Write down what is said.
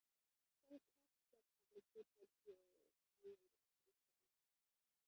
Some craft shops have located here or carry on the traditions.